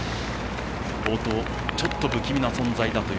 冒頭、ちょっと不気味な存在だという。